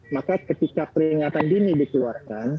maka ketika peringatan dini dikeluarkan